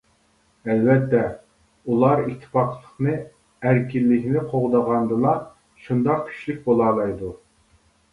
ئەلۋەتتە، ئۇلار ئىتتىپاقلىقىنى ئەركىنلىكىنى قوغدىغاندىلا شۇنداق كۈچلۈك بولالايدۇ.